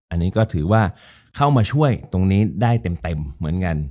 อันนี้ก็ถือว่าเข้ามาช่วยตรงนี้ได้เต็มเหมือนกัน